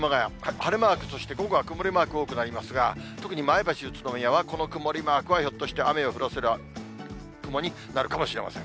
晴れマーク、そして午後は曇りマーク多くなりますが、特に前橋、宇都宮はこの曇りマークは、ひょっとして雨を降らせる雲になるかもしれません。